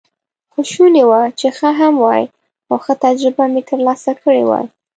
خو شوني وه چې ښه هم وای، او ښه تجربه مې ترلاسه کړې وای.